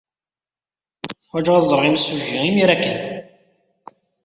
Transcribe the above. Ḥwajeɣ ad ẓreɣ imsujji imir-a kan.